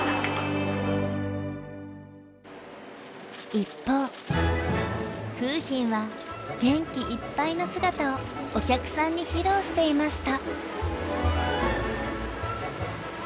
一方楓浜は元気いっぱいの姿をお客さんに披露していました。